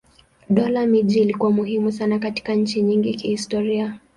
Dola miji ilikuwa muhimu sana katika nchi nyingi kihistoria.